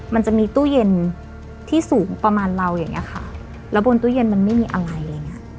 มันจะมีตู้เย็นที่สูงประมาณเราอย่างเงี้ยค่ะแล้วบนตู้เย็นมันไม่มีอะไรอะไรอย่างเงี้ย